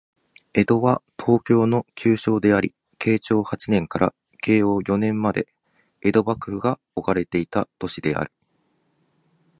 江戸は、東京の旧称であり、慶長八年から慶応四年まで江戸幕府が置かれていた都市である